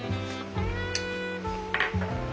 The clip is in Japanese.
うん。